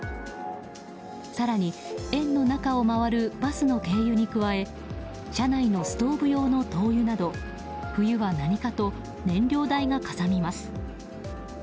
更に、園の中を回るバスの軽油に加え車内のストーブ用の灯油など冬は何かと燃料代がかさみます。